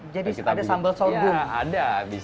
jadi ada sambel sorghum ya ada bisa